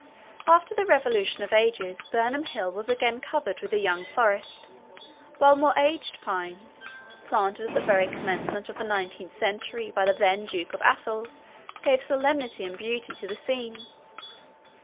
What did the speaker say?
After the revolution of ages Birnam hill was again covered with a young forest, while more aged pines, planted at the very commencement of the nineteenth century by the then Duke of Athol, gave solemnity and beauty to the scene.